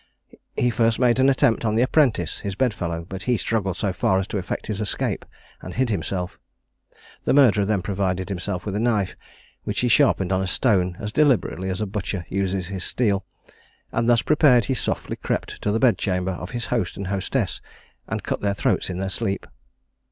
He first made an attempt on the apprentice, his bedfellow; but he struggled so far as to effect his escape, and hid himself. The murderer then provided himself with a knife, which he sharpened on a stone as deliberately as the butcher uses his steel; and thus prepared, he softly crept to the bedchamber of his host and hostess, and cut their throats in their sleep.